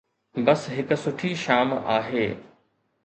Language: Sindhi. بس هڪ سٺي شام آهي.